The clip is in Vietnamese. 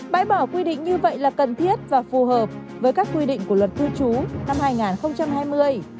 bãi bỏ quy định như vậy là cần thiết và phù hợp với các quy định của luật cư trú năm hai nghìn hai mươi